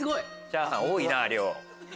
チャーハン多いな量。